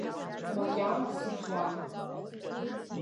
Макьана сыбжьам.